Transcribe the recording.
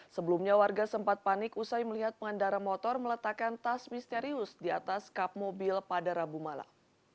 sebelumnya warga sempat panik usai melihat pengendara motor meletakkan tas misterius di atas kap mobil pada rabu malam